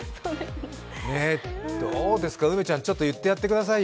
どうですか、梅ちゃん、ちょっと言ってやってくださいよ。